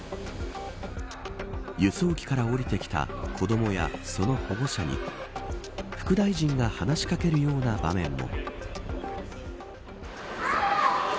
輸送機から降りてきた子どもやその保護者に副大臣が話しかけるような場面も。